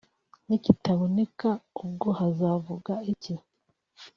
nikitaboneka ubwo hazavuka iki